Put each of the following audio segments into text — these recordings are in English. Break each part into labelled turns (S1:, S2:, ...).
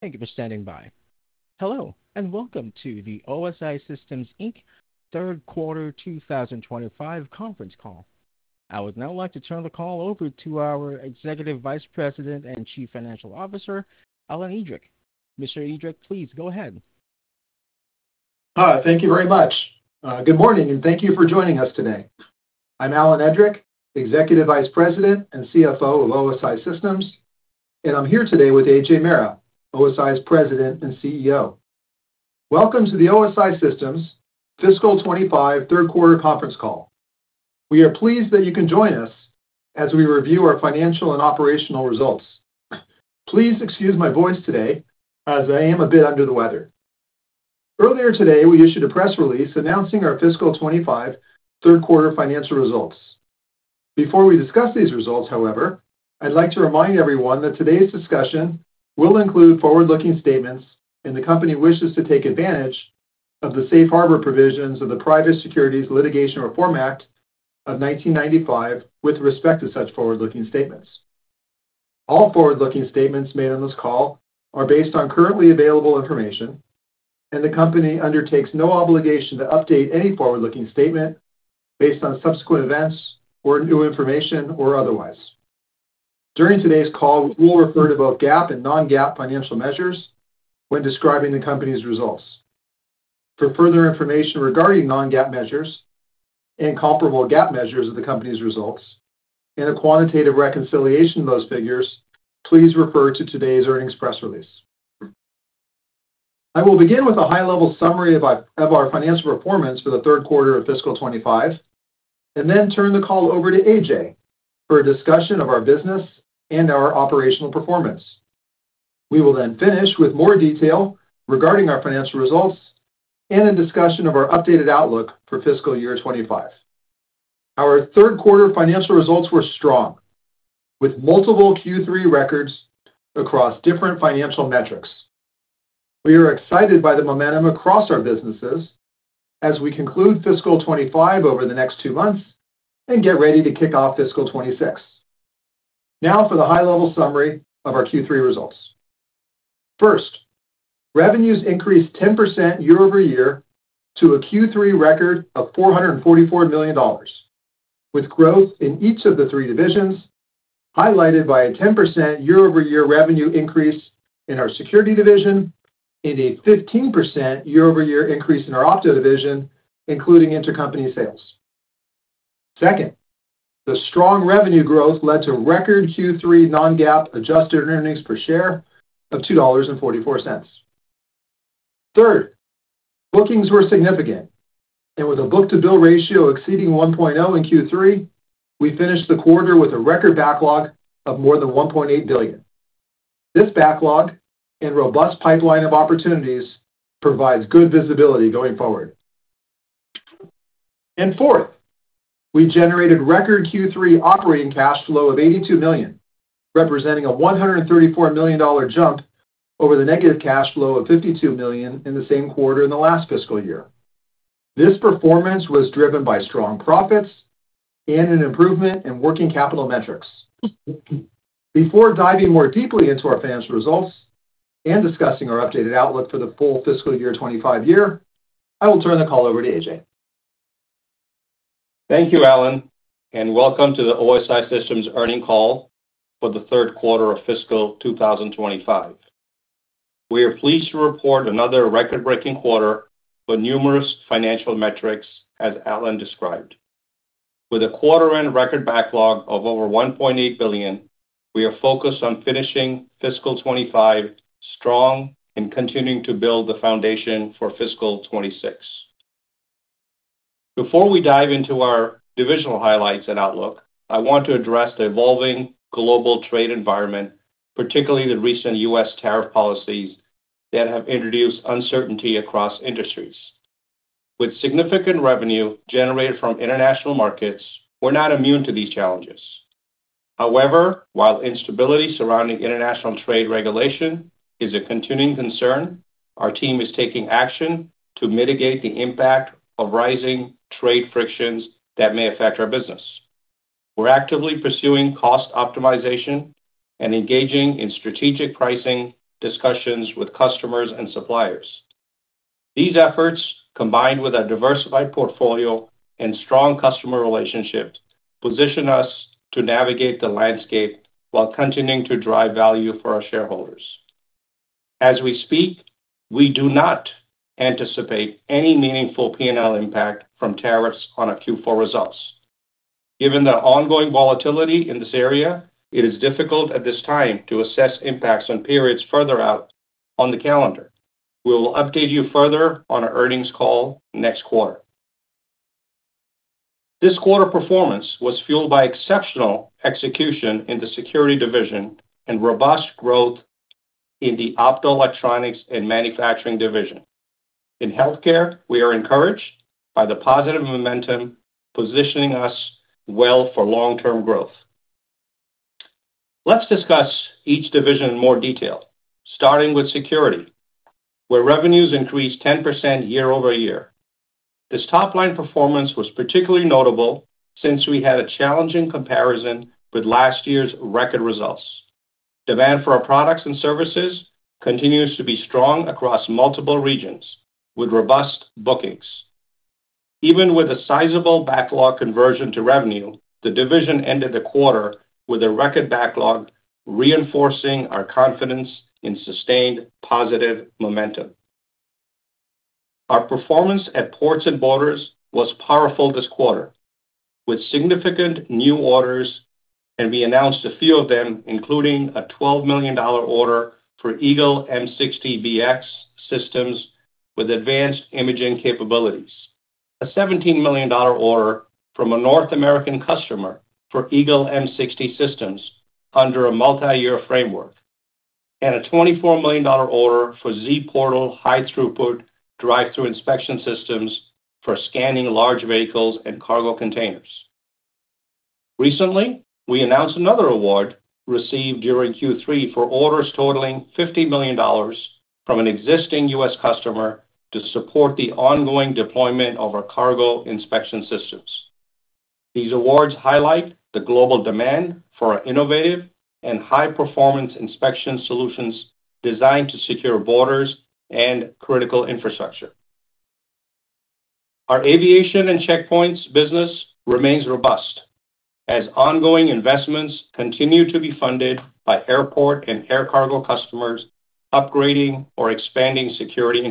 S1: Thank you for standing by. Hello, and welcome to the OSI Systems Inc. Third Quarter 2025 conference call. I would now like to turn the call over to our Executive Vice President and Chief Financial Officer, Alan Edrick. Mr. Edrick, please go ahead.
S2: Thank you very much. Good morning, and thank you for joining us today. I'm Alan Edrick, Executive Vice President and CFO of OSI Systems, and I'm here today with A. J. Mehra, OSI's President and CEO. Welcome to the OSI Systems Fiscal 2025 Third Quarter conference call. We are pleased that you can join us as we review our financial and operational results. Please excuse my voice today as I am a bit under the weather. Earlier today, we issued a press release announcing our Fiscal 2025 Third Quarter financial results. Before we discuss these results, however, I'd like to remind everyone that today's discussion will include forward-looking statements and the company wishes to take advantage of the safe harbor provisions of the Private Securities Litigation Reform Act of 1995 with respect to such forward-looking statements. All forward-looking statements made on this call are based on currently available information, and the company undertakes no obligation to update any forward-looking statement based on subsequent events or new information or otherwise. During today's call, we will refer to both GAAP and non-GAAP financial measures when describing the company's results. For further information regarding non-GAAP measures and comparable GAAP measures of the company's results and a quantitative reconciliation of those figures, please refer to today's earnings press release. I will begin with a high-level summary of our financial performance for the third quarter of Fiscal 2025, and then turn the call over to AJ for a discussion of our business and our operational performance. We will then finish with more detail regarding our financial results and a discussion of our updated outlook for Fiscal Year 2025. Our third quarter financial results were strong, with multiple Q3 records across different financial metrics. We are excited by the momentum across our businesses as we conclude Fiscal 2025 over the next two months and get ready to kick off Fiscal 2026. Now for the high-level summary of our Q3 results. First, revenues increased 10% year over year to a Q3 record of $444 million, with growth in each of the three divisions highlighted by a 10% year-over-year revenue increase in our Security division and a 15% year-over-year increase in our Optoelectronics division, including intercompany sales. Second, the strong revenue growth led to record Q3 non-GAAP adjusted earnings per share of $2.44. Third, bookings were significant, and with a book-to-bill ratio exceeding 1.0 in Q3, we finished the quarter with a record backlog of more than $1.8 billion. This backlog and robust pipeline of opportunities provides good visibility going forward. Fourth, we generated record Q3 operating cash flow of $82 million, representing a $134 million jump over the negative cash flow of $52 million in the same quarter in the last fiscal year. This performance was driven by strong profits and an improvement in working capital metrics. Before diving more deeply into our financial results and discussing our updated outlook for the full Fiscal Year 2025, I will turn the call over to AJ.
S3: Thank you, Alan, and welcome to the OSI Systems earning call for the third quarter of Fiscal 2025. We are pleased to report another record-breaking quarter with numerous financial metrics, as Alan described. With a quarter-end record backlog of over $1.8 billion, we are focused on finishing Fiscal 2025 strong and continuing to build the foundation for Fiscal 2026. Before we dive into our divisional highlights and outlook, I want to address the evolving global trade environment, particularly the recent U.S. tariff policies that have introduced uncertainty across industries. With significant revenue generated from international markets, we're not immune to these challenges. However, while instability surrounding international trade regulation is a continuing concern, our team is taking action to mitigate the impact of rising trade frictions that may affect our business. We're actively pursuing cost optimization and engaging in strategic pricing discussions with customers and suppliers. These efforts, combined with a diversified portfolio and strong customer relationships, position us to navigate the landscape while continuing to drive value for our shareholders. As we speak, we do not anticipate any meaningful P&L impact from tariffs on our Q4 results. Given the ongoing volatility in this area, it is difficult at this time to assess impacts on periods further out on the calendar. We will update you further on our earnings call next quarter. This quarter performance was fueled by exceptional execution in the Security division and robust growth in the Optoelectronics and Manufacturing division. In Healthcare, we are encouraged by the positive momentum positioning us well for long-term growth. Let's discuss each division in more detail, starting with Security, where revenues increased 10% year-over-year. This top-line performance was particularly notable since we had a challenging comparison with last year's record results. Demand for our products and services continues to be strong across multiple regions with robust bookings. Even with a sizable backlog conversion to revenue, the division ended the quarter with a record backlog, reinforcing our confidence in sustained positive momentum. Our performance at Ports and Borders was powerful this quarter, with significant new orders, and we announced a few of them, including a $12 million order for Eagle M60 VX systems with advanced imaging capabilities, a $17 million order from a North American customer for Eagle M60 systems under a multi-year framework, and a $24 million order for Z-Portal high-throughput drive-through inspection systems for scanning large vehicles and cargo containers. Recently, we announced another award received during Q3 for orders totaling $50 million from an existing U.S. customer to support the ongoing deployment of our cargo inspection systems. These awards highlight the global demand for innovative and high-performance inspection solutions designed to secure borders and critical infrastructure. Our aviation and checkpoints business remains robust as ongoing investments continue to be funded by airport and air cargo customers upgrading or expanding security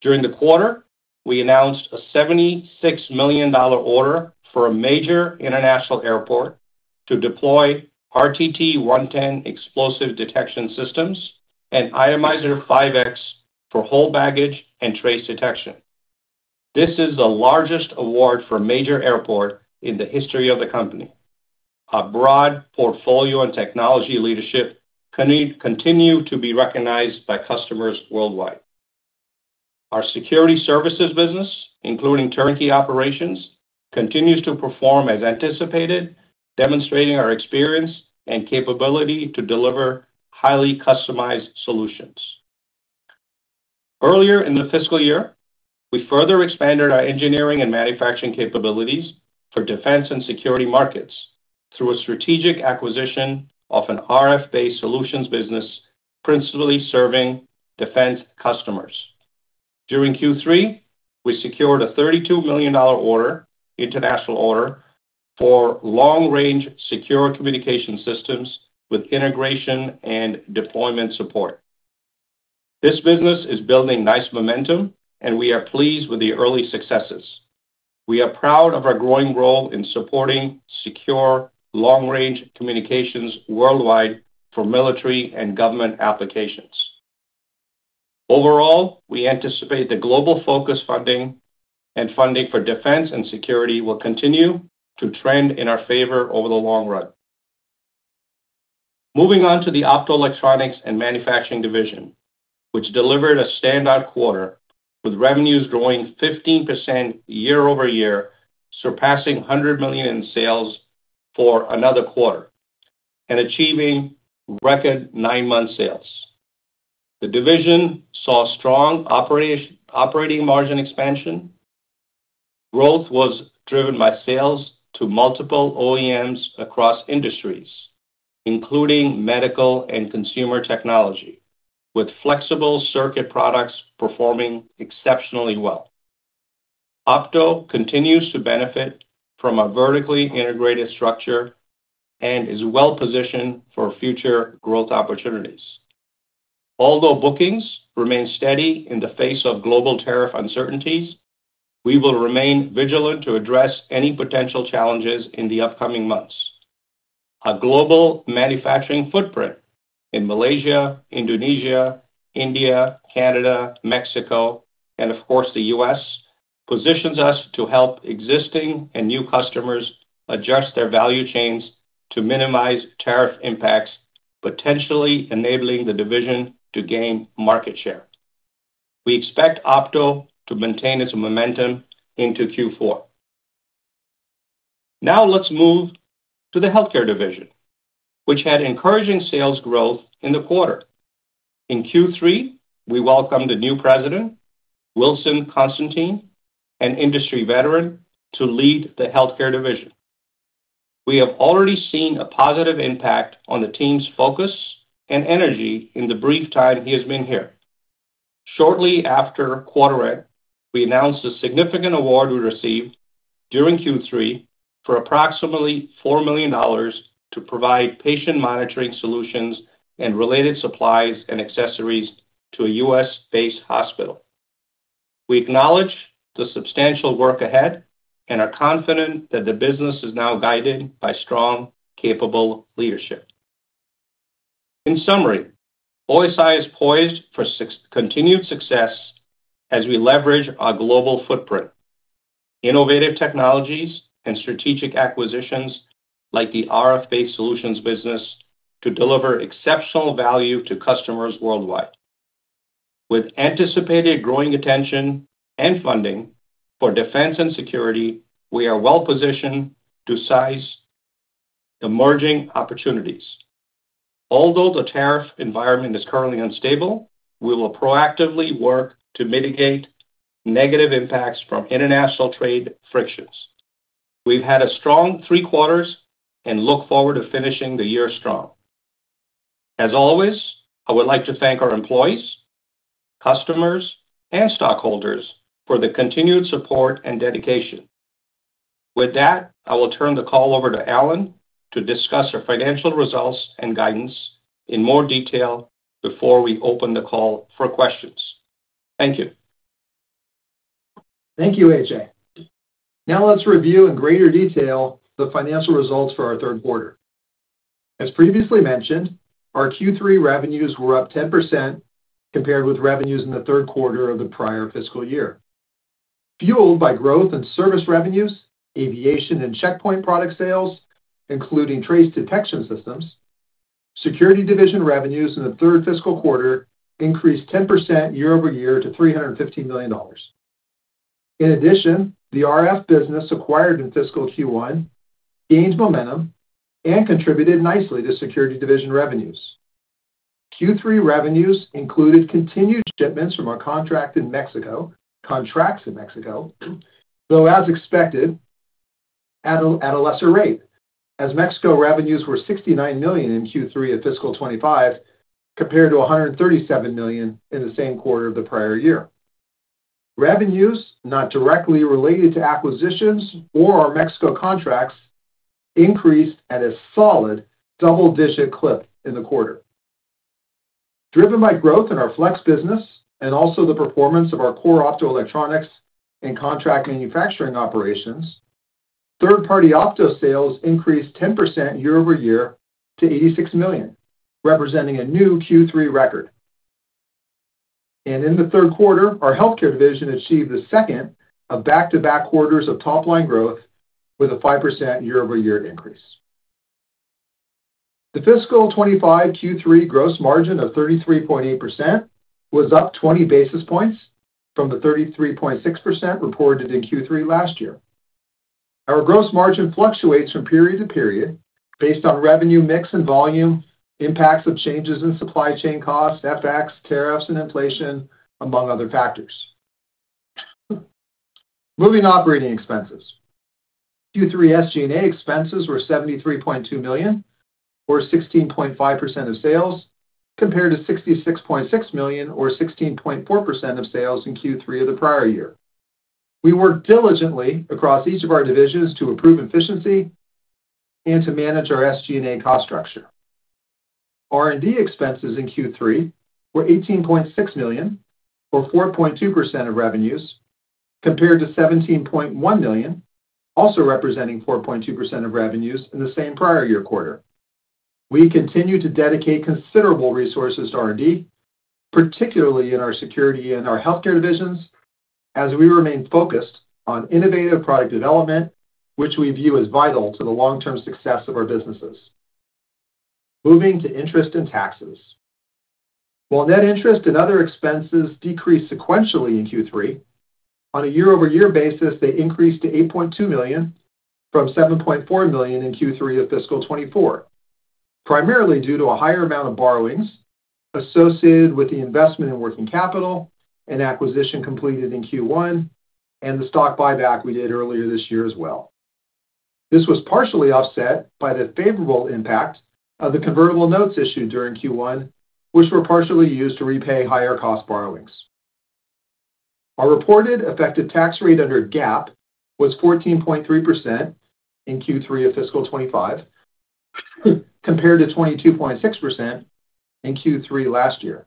S3: infrastructure. During the quarter, we announced a $76 million order for a major international airport to deploy RTT 110 explosive detection systems and Itemizer 5X for whole baggage and trace detection. This is the largest award for a major airport in the history of the company. Our broad portfolio and technology leadership continue to be recognized by customers worldwide. Our security services business, including turnkey operations, continues to perform as anticipated, demonstrating our experience and capability to deliver highly customized solutions. Earlier in the fiscal year, we further expanded our engineering and manufacturing capabilities for defense and security markets through a strategic acquisition of an RF-based solutions business principally serving defense customers. During Q3, we secured a $32 million international order for long-range secure communication systems with integration and deployment support. This business is building nice momentum, and we are pleased with the early successes. We are proud of our growing role in supporting secure long-range communications worldwide for military and government applications. Overall, we anticipate the global focus and funding for defense and security will continue to trend in our favor over the long run. Moving on to the optoelectronics and manufacturing division, which delivered a standout quarter with revenues growing 15% year-over-year, surpassing $100 million in sales for another quarter and achieving record nine-month sales. The division saw strong operating margin expansion. Growth was driven by sales to multiple OEMs across industries, including medical and consumer technology, with flexible circuit products performing exceptionally well. Opto continues to benefit from a vertically integrated structure and is well-positioned for future growth opportunities. Although bookings remain steady in the face of global tariff uncertainties, we will remain vigilant to address any potential challenges in the upcoming months. Our global manufacturing footprint in Malaysia, Indonesia, India, Canada, Mexico, and of course the U.S. positions us to help existing and new customers adjust their value chains to minimize tariff impacts, potentially enabling the division to gain market share. We expect Opto to maintain its momentum into Q4. Now let's move to the Healthcare division, which had encouraging sales growth in the quarter. In Q3, we welcomed a new President, Wilson Constantine, an industry veteran, to lead the Healthcare division. We have already seen a positive impact on the team's focus and energy in the brief time he has been here. Shortly after quarter end, we announced a significant award we received during Q3 for approximately $4 million to provide patient monitoring solutions and related supplies and accessories to a U.S.-based hospital. We acknowledge the substantial work ahead and are confident that the business is now guided by strong, capable leadership. In summary, OSI Systems is poised for continued success as we leverage our global footprint, innovative technologies, and strategic acquisitions like the RF-based solutions business to deliver exceptional value to customers worldwide. With anticipated growing attention and funding for defense and security, we are well-positioned to size emerging opportunities. Although the tariff environment is currently unstable, we will proactively work to mitigate negative impacts from international trade frictions. We've had a strong three quarters and look forward to finishing the year strong. As always, I would like to thank our employees, customers, and stockholders for the continued support and dedication. With that, I will turn the call over to Alan to discuss our financial results and guidance in more detail before we open the call for questions. Thank you.
S2: Thank you, Ajay. Now let's review in greater detail the financial results for our third quarter. As previously mentioned, our Q3 revenues were up 10% compared with revenues in the third quarter of the prior fiscal year. Fueled by growth in service revenues, aviation, and checkpoint product sales, including trace detection systems, Security division revenues in the third fiscal quarter increased 10% year-over-year to $315 million. In addition, the RF business acquired in fiscal Q1 gained momentum and contributed nicely to Security division revenues. Q3 revenues included continued shipments from our contracts in Mexico, though as expected at a lesser rate, as Mexico revenues were $69 million in Q3 of fiscal 2025 compared to $137 million in the same quarter of the prior year. Revenues not directly related to acquisitions or our Mexico contracts increased at a solid double-digit clip in the quarter. Driven by growth in our flex business and also the performance of our core optoelectronics and contract manufacturing operations, third-party opto sales increased 10% year-over-year to $86 million, representing a new Q3 record. In the third quarter, our Healthcare division achieved the second of back-to-back quarters of top-line growth with a 5% year-over-year increase. The fiscal 2025 Q3 gross margin of 33.8% was up 20 basis points from the 33.6% reported in Q3 last year. Our gross margin fluctuates from period to period based on revenue mix and volume, impacts of changes in supply chain costs, FX, tariffs, and inflation, among other factors. Moving to operating expenses. Q3 SG&A expenses were $73.2 million, or 16.5% of sales, compared to $66.6 million, or 16.4% of sales in Q3 of the prior year. We worked diligently across each of our divisions to improve efficiency and to manage our SG&A cost structure. R&D expenses in Q3 were $18.6 million, or 4.2% of revenues, compared to $17.1 million, also representing 4.2% of revenues in the same prior year quarter. We continue to dedicate considerable resources to R&D, particularly in our Security and our Healthcare divisions, as we remain focused on innovative product development, which we view as vital to the long-term success of our businesses. Moving to interest and taxes. While net interest and other expenses decreased sequentially in Q3, on a year-over-year basis, they increased to $8.2 million from $7.4 million in Q3 of fiscal 2024, primarily due to a higher amount of borrowings associated with the investment in working capital and acquisition completed in Q1 and the stock buyback we did earlier this year as well. This was partially offset by the favorable impact of the convertible notes issued during Q1, which were partially used to repay higher cost borrowings. Our reported effective tax rate under GAAP was 14.3% in Q3 of fiscal 2025, compared to 22.6% in Q3 last year.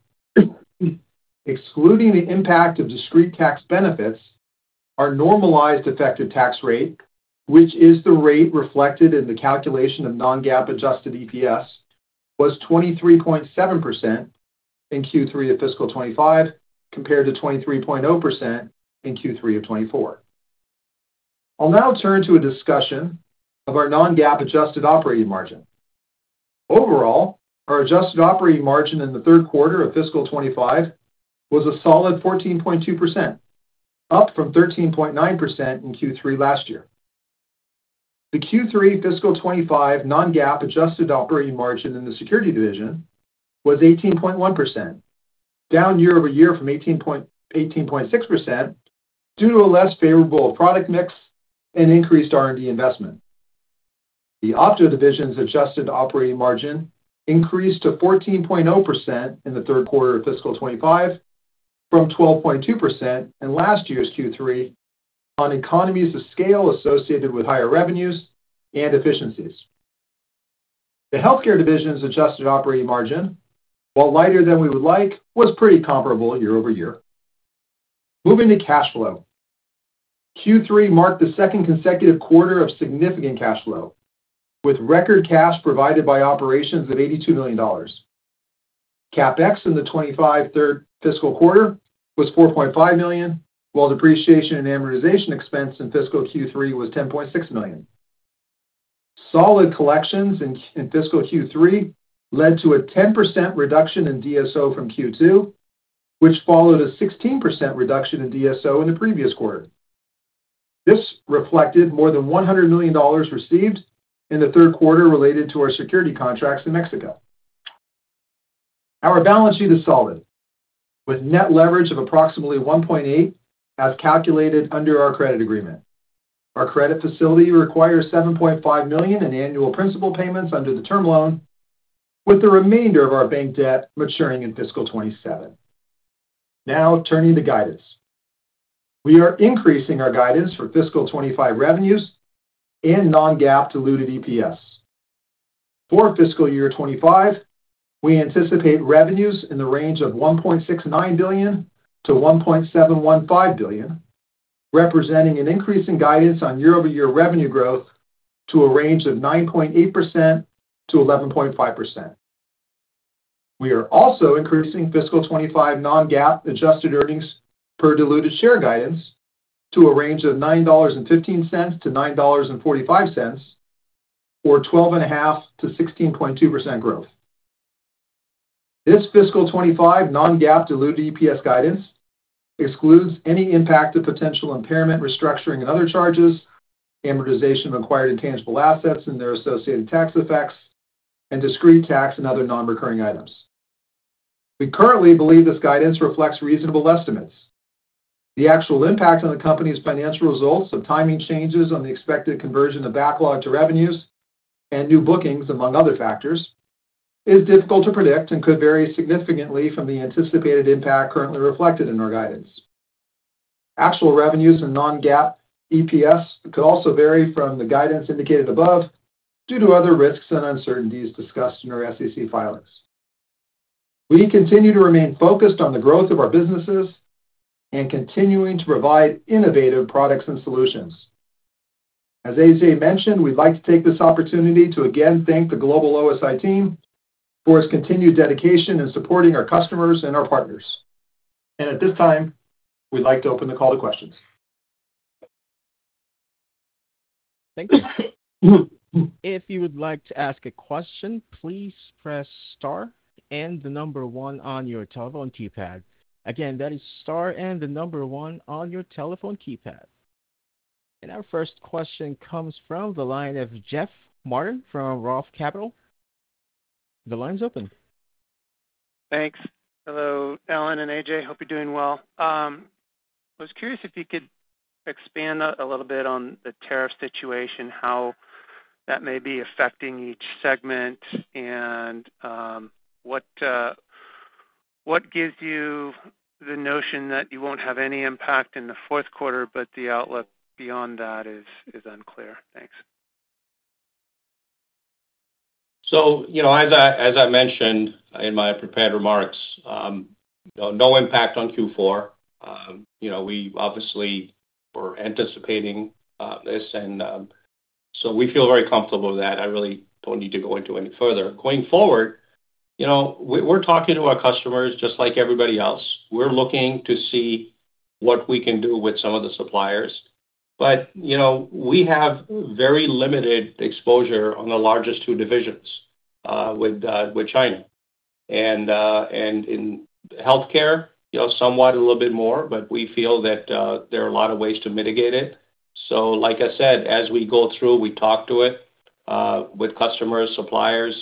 S2: Excluding the impact of discrete tax benefits, our normalized effective tax rate, which is the rate reflected in the calculation of non-GAAP adjusted EPS, was 23.7% in Q3 of fiscal 2025, compared to 23.0% in Q3 of 2024. I'll now turn to a discussion of our non-GAAP adjusted operating margin. Overall, our adjusted operating margin in the third quarter of fiscal 2025 was a solid 14.2%, up from 13.9% in Q3 last year. The Q3 fiscal 2025 non-GAAP adjusted operating margin in the Security division was 18.1%, down year-over-year from 18.6% due to a less favorable product mix and increased R&D investment. The Optoelectronics division's adjusted operating margin increased to 14.0% in the third quarter of fiscal 2025 from 12.2% in last year's Q3 on economies of scale associated with higher revenues and efficiencies. The Healthcare division's adjusted operating margin, while lighter than we would like, was pretty comparable year-over-year. Moving to cash flow. Q3 marked the second consecutive quarter of significant cash flow, with record cash provided by operations of $82 million. CapEx in the 2025 third fiscal quarter was $4.5 million, while depreciation and amortization expense in fiscal Q3 was $10.6 million. Solid collections in fiscal Q3 led to a 10% reduction in DSO from Q2, which followed a 16% reduction in DSO in the previous quarter. This reflected more than $100 million received in the third quarter related to our Security contracts in Mexico. Our balance sheet is solid, with net leverage of approximately 1.8 as calculated under our credit agreement. Our credit facility requires $7.5 million in annual principal payments under the term loan, with the remainder of our bank debt maturing in fiscal 2027. Now turning to guidance. We are increasing our guidance for fiscal 2025 revenues and non-GAAP diluted EPS. For fiscal year 2025, we anticipate revenues in the range of $1.69 billion-$1.715 billion, representing an increase in guidance on year-over-year revenue growth to a range of 9.8%-11.5%. We are also increasing fiscal 2025 non-GAAP adjusted earnings per diluted share guidance to a range of $9.15-$9.45, or 12.5%-16.2% growth. This fiscal 2025 non-GAAP diluted EPS guidance excludes any impact of potential impairment, restructuring, and other charges, amortization of acquired intangible assets and their associated tax effects, and discrete tax and other non-recurring items. We currently believe this guidance reflects reasonable estimates. The actual impact on the company's financial results of timing changes on the expected conversion of backlog to revenues and new bookings, among other factors, is difficult to predict and could vary significantly from the anticipated impact currently reflected in our guidance. Actual revenues and non-GAAP EPS could also vary from the guidance indicated above due to other risks and uncertainties discussed in our SEC filings. We continue to remain focused on the growth of our businesses and continuing to provide innovative products and solutions. As Ajay mentioned, we'd like to take this opportunity to again thank the global OSI team for its continued dedication in supporting our customers and our partners. At this time, we'd like to open the call to questions.
S1: Thank you. If you would like to ask a question, please press star and the number one on your telephone keypad. Again, that is star and the number one on your telephone keypad. Our first question comes from the line of Jeff Martin from Roth Capital. The line's open.
S4: Thanks. Hello, Alan and Ajay. Hope you're doing well. I was curious if you could expand a little bit on the tariff situation, how that may be affecting each segment, and what gives you the notion that you won't have any impact in the fourth quarter, but the outlook beyond that is unclear. Thanks.
S3: As I mentioned in my prepared remarks, no impact on Q4. We obviously were anticipating this, and we feel very comfortable with that. I really do not need to go into any further. Going forward, you know, we are talking to our customers just like everybody else. We are looking to see what we can do with some of the suppliers. You know, we have very limited exposure on the largest two divisions with China. In healthcare, you know, somewhat a little bit more, but we feel that there are a lot of ways to mitigate it. Like I said, as we go through, we talk to it with customers, suppliers.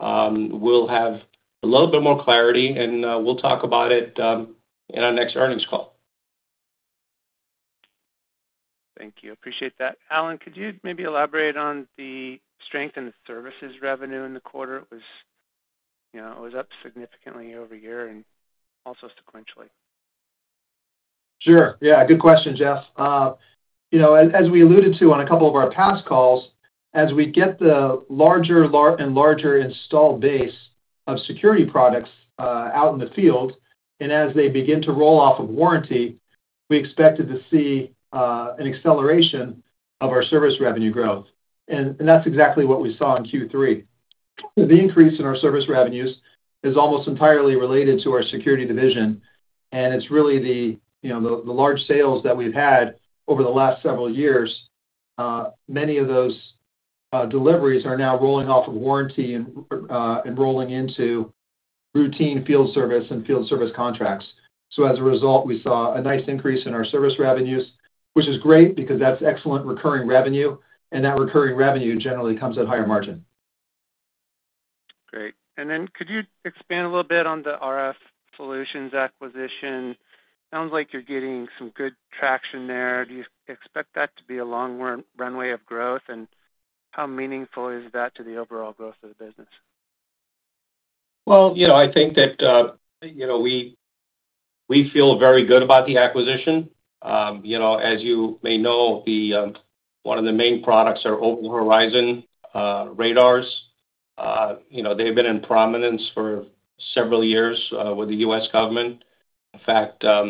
S3: We will have a little bit more clarity, and we will talk about it in our next earnings call.
S4: Thank you. Appreciate that. Alan, could you maybe elaborate on the strength in the services revenue in the quarter? It was up significantly year-over-year and also sequentially.
S2: Sure. Yeah, good question, Jeff. You know, as we alluded to on a couple of our past calls, as we get the larger and larger install base of security products out in the field, and as they begin to roll off of warranty, we expected to see an acceleration of our service revenue growth. That is exactly what we saw in Q3. The increase in our service revenues is almost entirely related to our Security division, and it is really the large sales that we have had over the last several years. Many of those deliveries are now rolling off of warranty and rolling into routine field service and field service contracts. As a result, we saw a nice increase in our service revenues, which is great because that is excellent recurring revenue, and that recurring revenue generally comes at higher margin.
S4: Great. Could you expand a little bit on the RF solutions acquisition? Sounds like you're getting some good traction there. Do you expect that to be a long runway of growth, and how meaningful is that to the overall growth of the business?
S3: I think that, you know, we feel very good about the acquisition. You know, as you may know, one of the main products are Over the Horizon radars. You know, they've been in prominence for several years with the U.S. government. In fact, as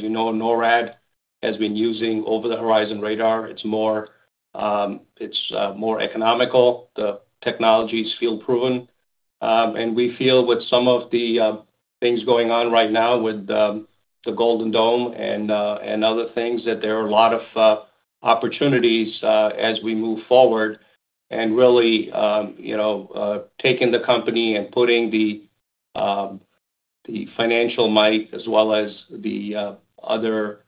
S3: you know, NORAD has been using Over the Horizon radar. It's more economical. The technology is field-proven. We feel with some of the things going on right now with the Golden Dome and other things that there are a lot of opportunities as we move forward. Really, you know, taking the company and putting the financial might as well as the other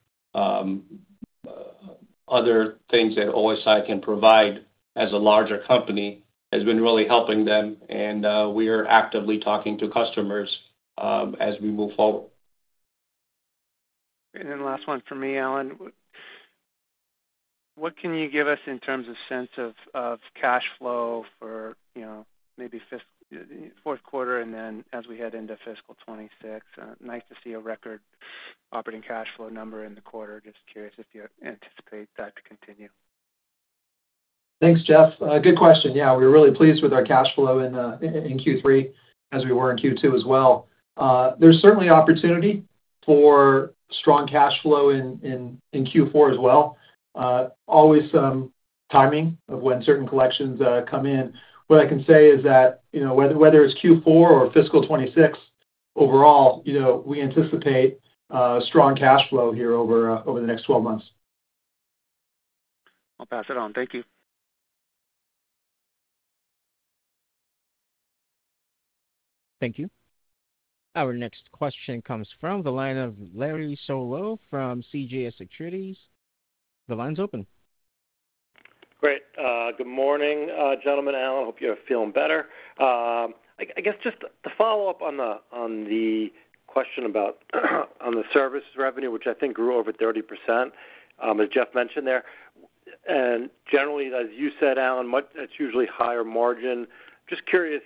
S3: things that OSI can provide as a larger company has been really helping them. We are actively talking to customers as we move forward.
S4: Last one for me, Alan. What can you give us in terms of sense of cash flow for, you know, maybe fourth quarter and then as we head into fiscal 2026? Nice to see a record operating cash flow number in the quarter. Just curious if you anticipate that to continue.
S2: Thanks, Jeff. Good question. Yeah, we're really pleased with our cash flow in Q3 as we were in Q2 as well. There's certainly opportunity for strong cash flow in Q4 as well. Always some timing of when certain collections come in. What I can say is that, you know, whether it's Q4 or fiscal 2026, overall, you know, we anticipate strong cash flow here over the next 12 months.
S4: I'll pass it on. Thank you.
S1: Thank you. Our next question comes from the line of Larry Solow from CJS Securities. The line's open.
S5: Great. Good morning, gentlemen. Alan, hope you're feeling better. I guess just to follow up on the question about the service revenue, which I think grew over 30%, as Jeff mentioned there. And generally, as you said, Alan, it's usually higher margin. Just curious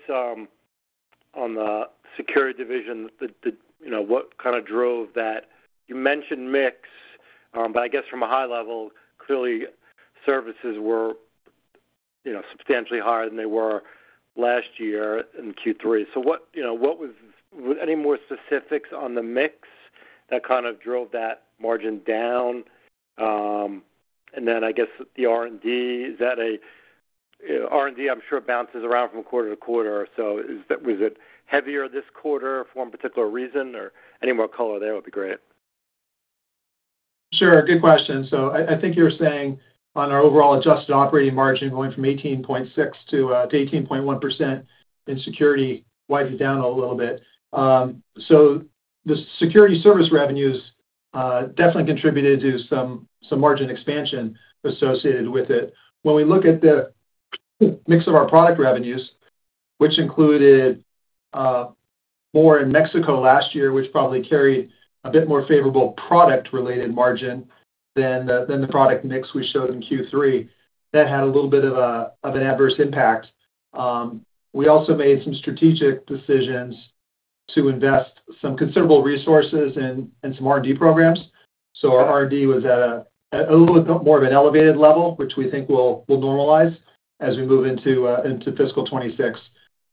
S5: on the Security division, you know, what kind of drove that? You mentioned mix, but I guess from a high level, clearly services were, you know, substantially higher than they were last year in Q3. So what, you know, what was, any more specifics on the mix that kind of drove that margin down? I guess the R&D, is that a R&D, I'm sure bounces around from quarter to quarter. Was it heavier this quarter for one particular reason or any more color there would be great.
S2: Sure. Good question. I think you're saying on our overall adjusted operating margin going from 18.6% to 18.1% in security, wiped it down a little bit. The security service revenues definitely contributed to some margin expansion associated with it. When we look at the mix of our product revenues, which included more in Mexico last year, which probably carried a bit more favorable product-related margin than the product mix we showed in Q3, that had a little bit of an adverse impact. We also made some strategic decisions to invest some considerable resources in some R&D programs. Our R&D was at a little bit more of an elevated level, which we think will normalize as we move into fiscal 2026.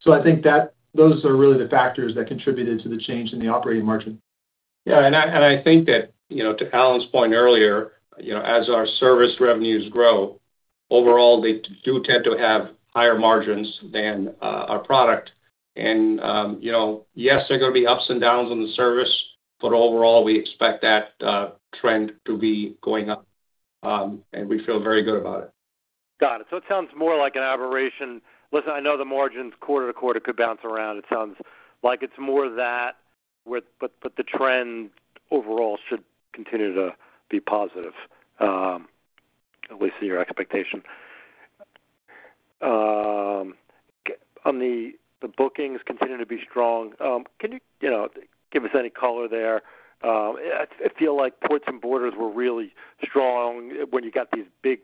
S2: I think that those are really the factors that contributed to the change in the operating margin.
S3: Yeah. I think that, you know, to Alan's point earlier, you know, as our service revenues grow, overall, they do tend to have higher margins than our product. You know, yes, there are going to be ups and downs in the service, but overall, we expect that trend to be going up. We feel very good about it.
S5: Got it. It sounds more like an aberration. Listen, I know the margins quarter to quarter could bounce around. It sounds like it's more that, but the trend overall should continue to be positive, at least in your expectation. The bookings continue to be strong. Can you, you know, give us any color there? I feel like Ports and Borders were really strong when you got these big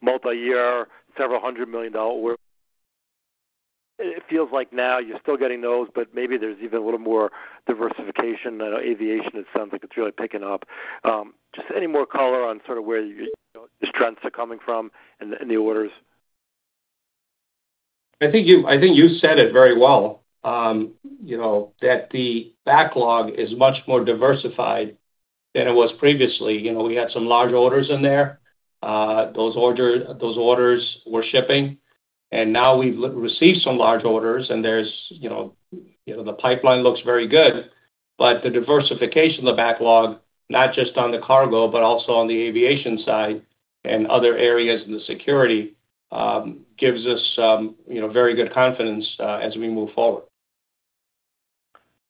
S5: multi-year, several hundred million dollar orders. It feels like now you're still getting those, but maybe there's even a little more diversification. I know aviation, it sounds like it's really picking up. Just any more color on sort of where your strengths are coming from and the orders?
S3: I think you said it very well, you know, that the backlog is much more diversified than it was previously. You know, we had some large orders in there. Those orders were shipping. Now we've received some large orders, and there's, you know, the pipeline looks very good. The diversification of the backlog, not just on the cargo, but also on the aviation side and other areas in the security, gives us, you know, very good confidence as we move forward.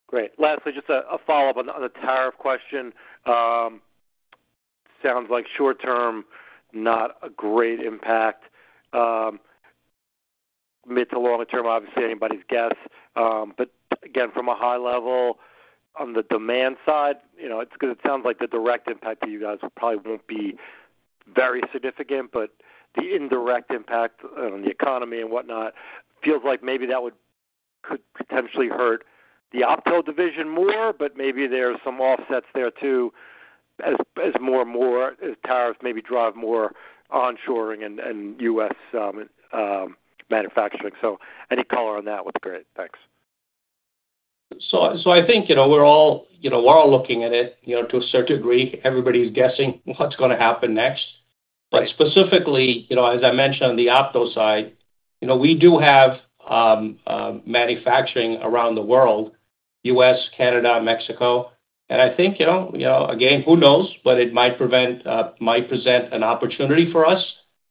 S5: Great. Lastly, just a follow-up on the tariff question. Sounds like short-term, not a great impact. Mid to long-term, obviously, anybody's guess. From a high level, on the demand side, you know, it's because it sounds like the direct impact to you guys probably won't be very significant, but the indirect impact on the economy and whatnot, feels like maybe that could potentially hurt the optoelectronics division more, but maybe there are some offsets there too as more and more tariffs maybe drive more onshoring and U.S. manufacturing. Any color on that would be great. Thanks.
S3: I think, you know, we're all looking at it, you know, to a certain degree. Everybody's guessing what's going to happen next. Specifically, you know, as I mentioned on the optical side, you know, we do have manufacturing around the world, U.S., Canada, Mexico. I think, you know, again, who knows, but it might present an opportunity for us,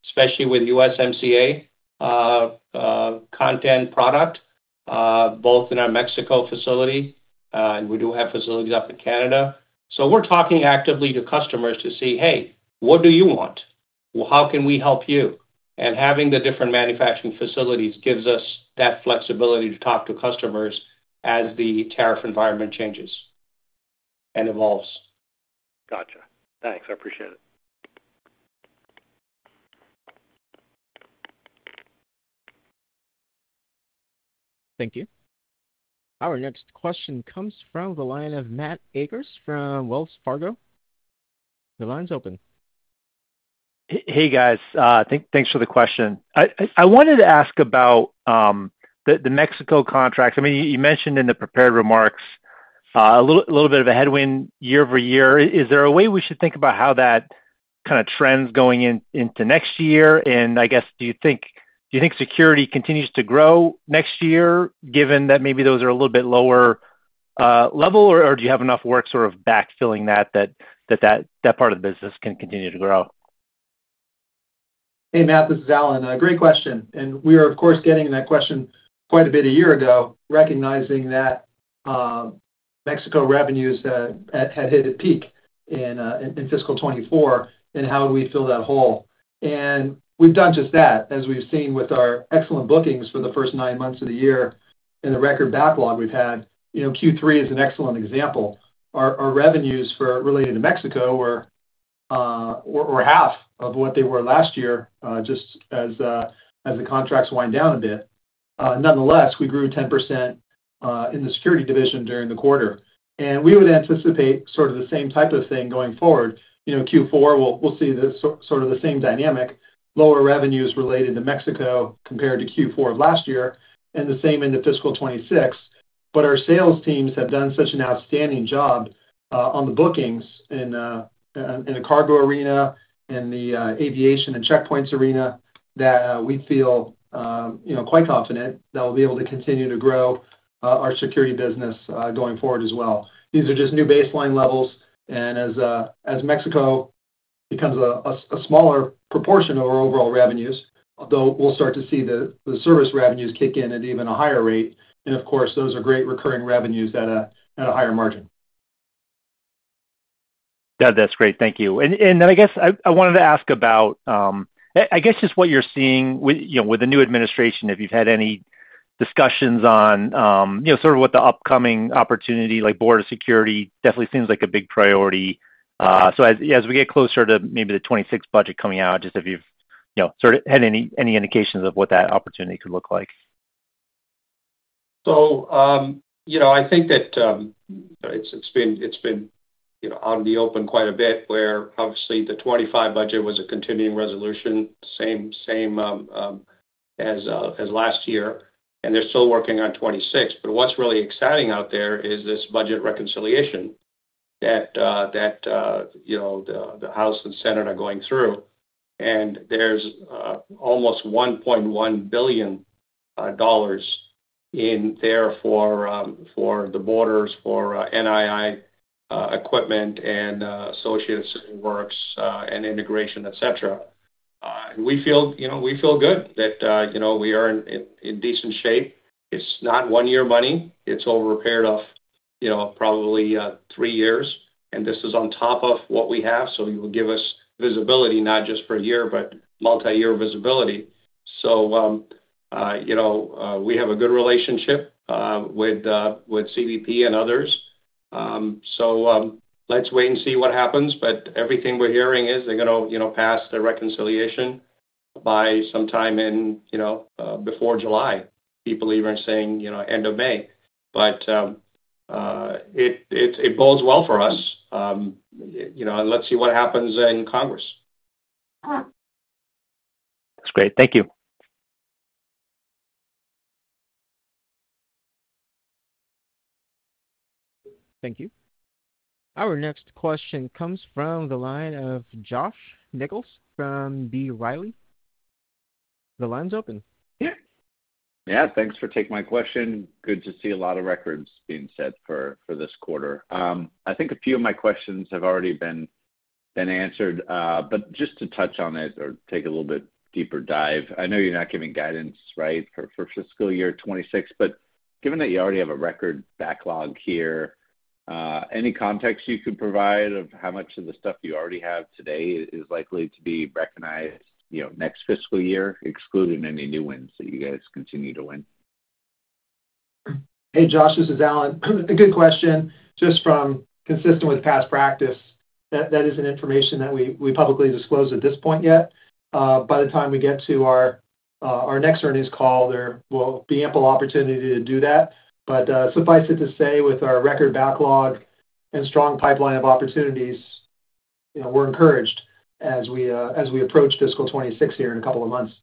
S3: especially with USMCA content product, both in our Mexico facility. We do have facilities up in Canada. We're talking actively to customers to see, hey, what do you want? How can we help you? Having the different manufacturing facilities gives us that flexibility to talk to customers as the tariff environment changes and evolves.
S5: Gotcha. Thanks. I appreciate it.
S1: Thank you. Our next question comes from the line of Matt Akers from Wells Fargo. The line's open.
S6: Hey, guys. Thanks for the question. I wanted to ask about the Mexico contracts. I mean, you mentioned in the prepared remarks a little bit of a headwind year over year. Is there a way we should think about how that kind of trends going into next year? I guess, do you think security continues to grow next year, given that maybe those are a little bit lower level, or do you have enough work sort of backfilling that, that that part of the business can continue to grow?
S2: Hey, Matt, this is Alan. Great question. We are, of course, getting that question quite a bit a year ago, recognizing that Mexico revenues had hit a peak in fiscal 2024, and how do we fill that hole? We have done just that, as we have seen with our excellent bookings for the first nine months of the year and the record backlog we have had. You know, Q3 is an excellent example. Our revenues related to Mexico were half of what they were last year, just as the contracts wind down a bit. Nonetheless, we grew 10% in the security division during the quarter. We would anticipate sort of the same type of thing going forward. You know, Q4, we will see sort of the same dynamic, lower revenues related to Mexico compared to Q4 of last year, and the same in fiscal 2026. Our sales teams have done such an outstanding job on the bookings in the cargo arena and the aviation and checkpoints arena that we feel, you know, quite confident that we'll be able to continue to grow our security business going forward as well. These are just new baseline levels. As Mexico becomes a smaller proportion of our overall revenues, although we'll start to see the service revenues kick in at even a higher rate. Of course, those are great recurring revenues at a higher margin.
S6: Yeah, that's great. Thank you. I guess I wanted to ask about, I guess, just what you're seeing with the new administration, if you've had any discussions on, you know, sort of what the upcoming opportunity, like border security, definitely seems like a big priority. As we get closer to maybe the 2026 budget coming out, just if you've, you know, sort of had any indications of what that opportunity could look like.
S3: You know, I think that it's been out in the open quite a bit where obviously the 2025 budget was a continuing resolution, same as last year. They're still working on 2026. What's really exciting out there is this budget reconciliation that, you know, the House and Senate are going through. There's almost $1.1 billion in there for the borders, for NII equipment and associated work and integration, etc. We feel, you know, we feel good that, you know, we are in decent shape. It's not one-year money. It's over a period of probably three years. This is on top of what we have. It will give us visibility, not just for a year, but multi-year visibility. You know, we have a good relationship with CBP and others. Let's wait and see what happens. Everything we're hearing is they're going to, you know, pass the reconciliation by sometime in, you know, before July. People even are saying, you know, end of May. It bodes well for us. You know, let's see what happens in Congress.
S6: That's great. Thank you.
S1: Thank you. Our next question comes from the line of Josh Nichols from B. Riley. The line's open.
S7: Yeah. Thanks for taking my question. Good to see a lot of records being set for this quarter. I think a few of my questions have already been answered, but just to touch on it or take a little bit deeper dive. I know you're not giving guidance, right, for fiscal year 2026, but given that you already have a record backlog here, any context you could provide of how much of the stuff you already have today is likely to be recognized, you know, next fiscal year, excluding any new wins that you guys continue to win?
S2: Hey, Josh, this is Alan. Good question. Just from consistent with past practice, that isn't information that we publicly disclose at this point yet. By the time we get to our next earnings call, there will be ample opportunity to do that. Suffice it to say, with our record backlog and strong pipeline of opportunities, you know, we're encouraged as we approach fiscal 2026 here in a couple of months.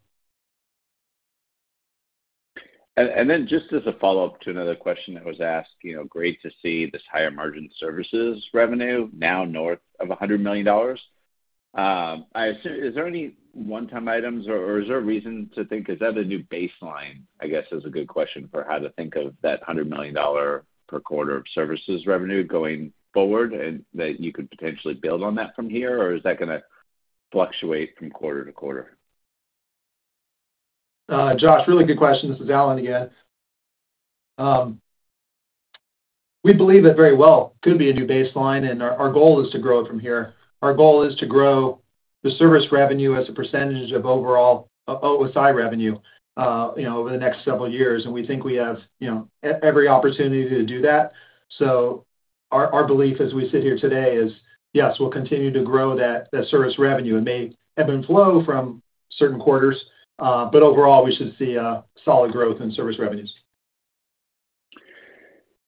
S7: Just as a follow-up to another question that was asked, you know, great to see this higher margin services revenue now north of $100 million. I assume, is there any one-time items or is there a reason to think, is that a new baseline, I guess, is a good question for how to think of that $100 million per quarter of services revenue going forward and that you could potentially build on that from here, or is that going to fluctuate from quarter to quarter?
S2: Josh, really good question. This is Alan again. We believe that very well could be a new baseline, and our goal is to grow it from here. Our goal is to grow the service revenue as a percentage of overall OSI revenue, you know, over the next several years. We think we have, you know, every opportunity to do that. Our belief as we sit here today is, yes, we'll continue to grow that service revenue. It may ebb and flow from certain quarters, but overall, we should see solid growth in service revenues.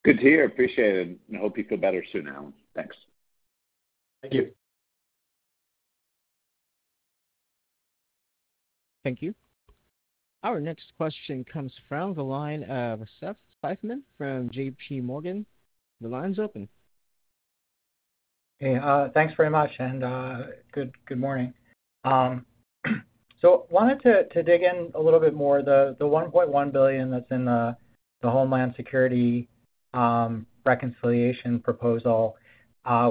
S7: Good to hear. Appreciate it. I hope you feel better soon, Alan. Thanks.
S2: Thank you.
S1: Thank you. Our next question comes from the line of Seth Seifman from JPMorgan Chase. The line's open.
S8: Thanks very much. Good morning. I wanted to dig in a little bit more. The $1.1 billion that's in the Homeland Security reconciliation proposal,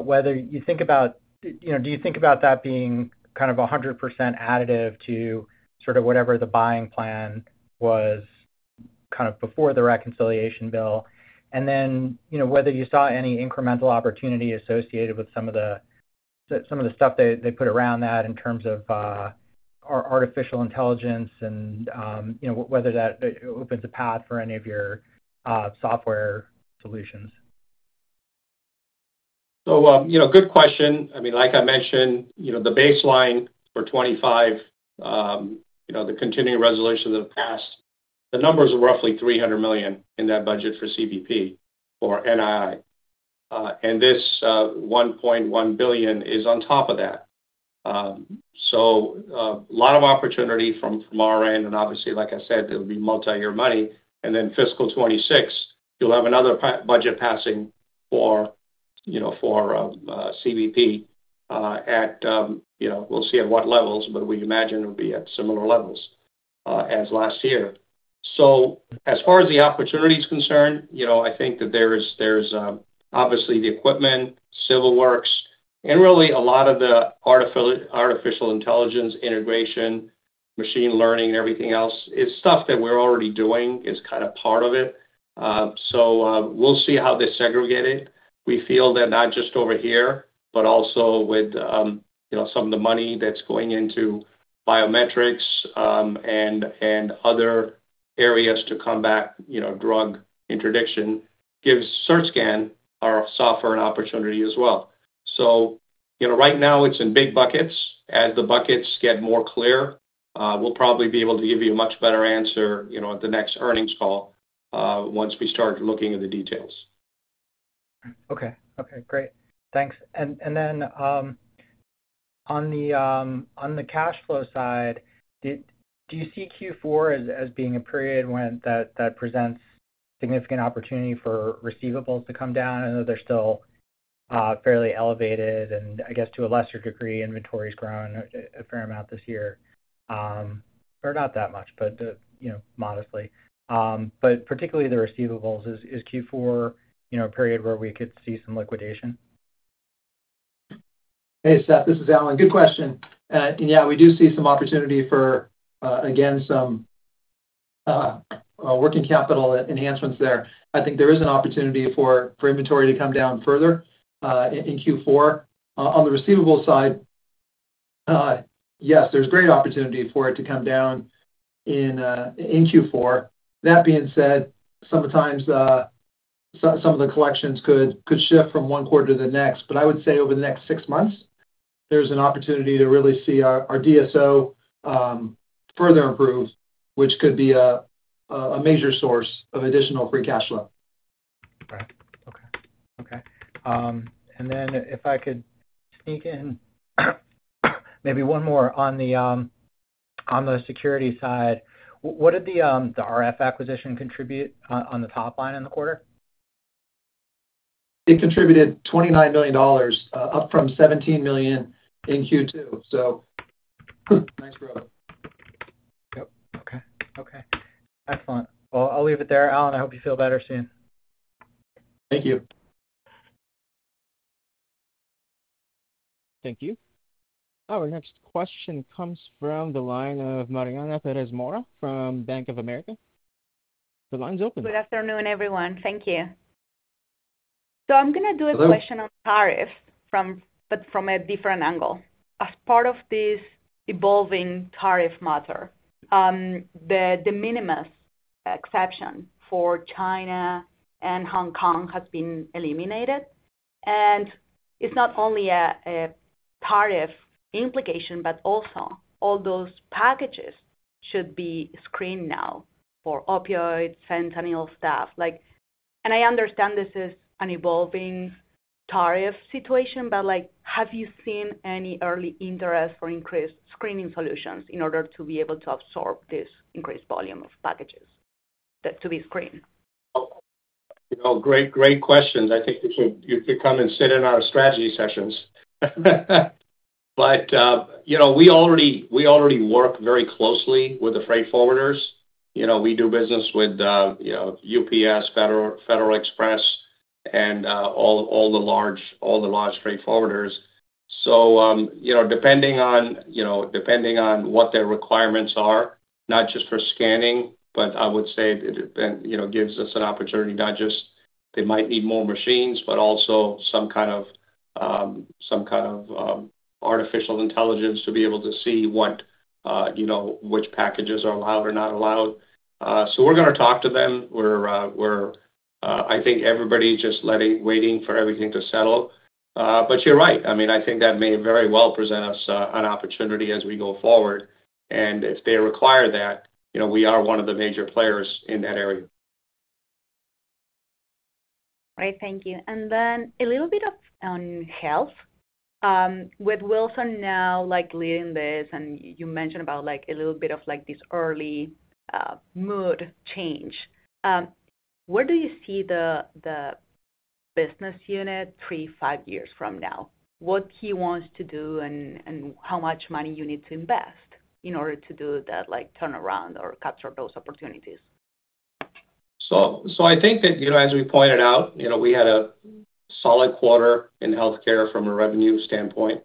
S8: whether you think about, you know, do you think about that being kind of 100% additive to sort of whatever the buying plan was kind of before the reconciliation bill? You know, whether you saw any incremental opportunity associated with some of the stuff they put around that in terms of artificial intelligence and, you know, whether that opens a path for any of your software solutions?
S3: You know, good question. I mean, like I mentioned, you know, the baseline for 2025, you know, the continuing resolution of the past, the numbers are roughly $300 million in that budget for CBP for NII. This $1.1 billion is on top of that. A lot of opportunity from our end. Obviously, like I said, it'll be multi-year money. Then fiscal 2026, you'll have another budget passing for, you know, for CBP at, you know, we'll see at what levels, but we imagine it'll be at similar levels as last year. As far as the opportunity is concerned, you know, I think that there's obviously the equipment, civil works, and really a lot of the artificial intelligence integration, machine learning, and everything else is stuff that we're already doing is kind of part of it. We'll see how they segregate it. We feel that not just over here, but also with, you know, some of the money that's going into biometrics and other areas to come back, you know, drug interdiction gives CertScan, our software, an opportunity as well. Right now it's in big buckets. As the buckets get more clear, we'll probably be able to give you a much better answer, you know, at the next earnings call once we start looking at the details.
S8: Okay. Okay. Great. Thanks. On the cash flow side, do you see Q4 as being a period that presents significant opportunity for receivables to come down? I know they're still fairly elevated and, I guess, to a lesser degree, inventory has grown a fair amount this year. Not that much, but, you know, modestly. Particularly the receivables, is Q4, you know, a period where we could see some liquidation?
S2: Hey, Seth, this is Alan. Good question. Yeah, we do see some opportunity for, again, some working capital enhancements there. I think there is an opportunity for inventory to come down further in Q4. On the receivable side, yes, there's great opportunity for it to come down in Q4. That being said, sometimes some of the collections could shift from one quarter to the next. I would say over the next six months, there's an opportunity to really see our DSO further improve, which could be a major source of additional free cash flow.
S8: Okay. Okay. Okay. If I could sneak in maybe one more on the security side, what did the RF acquisition contribute on the top line in the quarter?
S2: It contributed $29 million, up from $17 million in Q2. Nice growth.
S8: Yep. Okay. Okay. Excellent. I will leave it there. Alan, I hope you feel better soon.
S2: Thank you.
S1: Thank you. Our next question comes from the line of Mariana Perez Mora from Bank of America. The line's open.
S9: Good afternoon, everyone. Thank you. I am going to do a question on tariffs, but from a different angle. As part of this evolving tariff matter, the de minimis exception for China and Hong Kong has been eliminated. It is not only a tariff implication, but also all those packages should be screened now for opioids, fentanyl stuff. I understand this is an evolving tariff situation, but have you seen any early interest for increased screening solutions in order to be able to absorb this increased volume of packages to be screened?
S3: Great, great questions. I think you could come and sit in our strategy sessions. You know, we already work very closely with the freight forwarders. You know, we do business with UPS, Federal Express, and all the large freight forwarders. You know, depending on what their requirements are, not just for scanning, but I would say it gives us an opportunity not just they might need more machines, but also some kind of artificial intelligence to be able to see which packages are allowed or not allowed. We are going to talk to them. I think everybody is just waiting for everything to settle. You are right. I mean, I think that may very well present us an opportunity as we go forward. If they require that, you know, we are one of the major players in that area.
S9: All right. Thank you. A little bit on health. With Wilson now leading this, and you mentioned about like a little bit of like this early mood change, where do you see the business unit three, five years from now? What he wants to do and how much money you need to invest in order to do that turnaround or capture those opportunities?
S3: I think that, you know, as we pointed out, you know, we had a solid quarter in healthcare from a revenue standpoint.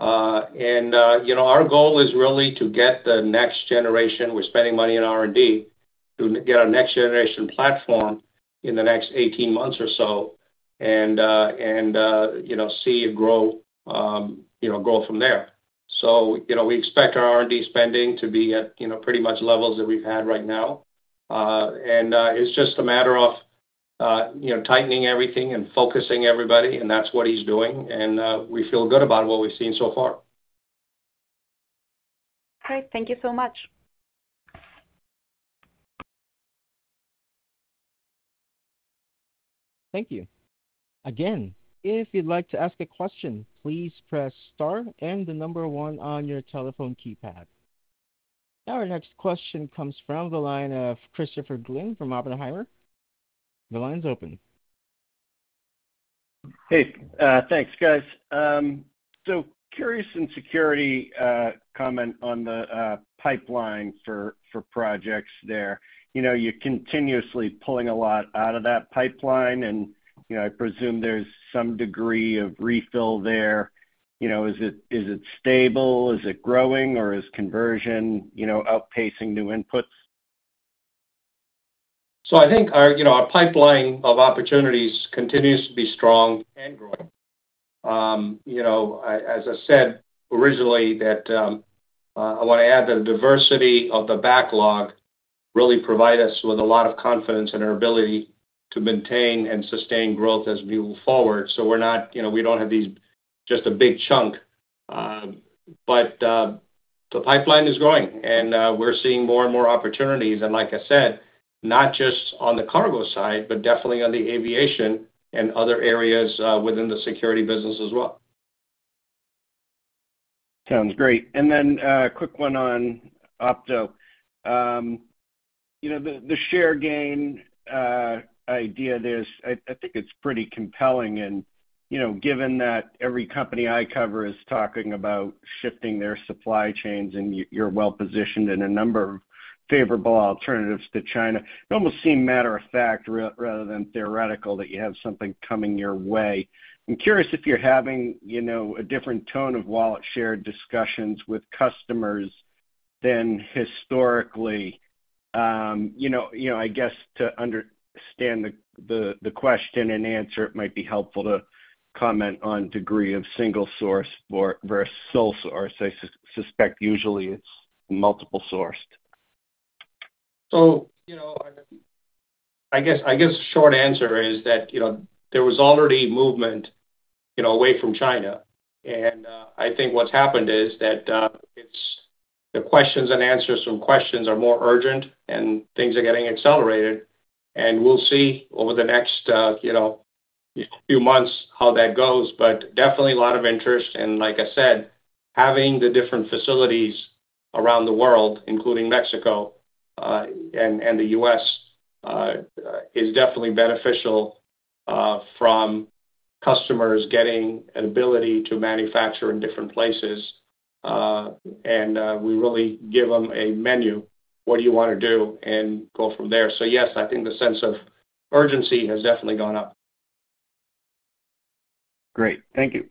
S3: You know, our goal is really to get the next generation—we're spending money on R&D—to get our next generation platform in the next 18 months or so and, you know, see it grow, you know, grow from there. You know, we expect our R&D spending to be at, you know, pretty much levels that we've had right now. It's just a matter of, you know, tightening everything and focusing everybody. That's what he's doing. We feel good about what we've seen so far.
S9: All right. Thank you so much.
S1: Thank you. Again, if you'd like to ask a question, please press star and the number one on your telephone keypad. Our next question comes from the line of Christopher Glynn from Oppenheimer. The line's open.
S10: Hey, thanks, guys. Curious, in Security, comment on the pipeline for projects there. You know, you're continuously pulling a lot out of that pipeline. And, you know, I presume there's some degree of refill there. You know, is it stable? Is it growing? Or is conversion, you know, outpacing new inputs?
S3: I think our, you know, our pipeline of opportunities continues to be strong and growing. You know, as I said originally, I want to add that the diversity of the backlog really provides us with a lot of confidence in our ability to maintain and sustain growth as we move forward. We're not, you know, we don't have these just a big chunk. The pipeline is growing. We're seeing more and more opportunities. Like I said, not just on the cargo side, but definitely on the aviation and other areas within the security business as well.
S10: Sounds great. A quick one on Opto. You know, the share gain idea there, I think it's pretty compelling. You know, given that every company I cover is talking about shifting their supply chains and you're well positioned in a number of favorable alternatives to China, it almost seemed matter of fact rather than theoretical that you have something coming your way. I'm curious if you're having, you know, a different tone of wallet share discussions with customers than historically. You know, I guess to understand the question and answer, it might be helpful to comment on degree of single source versus sole source. I suspect usually it's multiple sourced.
S2: So,
S3: I guess the short answer is that, you know, there was already movement, you know, away from China. I think what's happened is that the questions and answers from questions are more urgent and things are getting accelerated. We'll see over the next few months how that goes. Definitely a lot of interest. Like I said, having the different facilities around the world, including Mexico and the U.S., is definitely beneficial from customers getting an ability to manufacture in different places. We really give them a menu, what do you want to do, and go from there. Yes, I think the sense of urgency has definitely gone up.
S10: Great. Thank you.